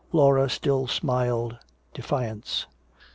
Laura still smiled defiance.